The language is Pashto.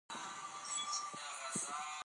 په دې برېښنالیک کې، موږ موخه لرو چې